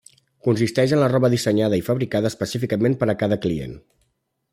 Consisteix en la roba dissenyada i fabricada específicament per a cada client.